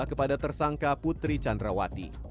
kepada tersangka putri chandrawati